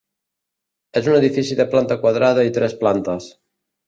És un edifici de planta quadrada i tres plantes.